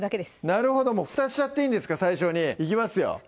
なるほどもうふたしちゃっていいんですか最初にいきますよ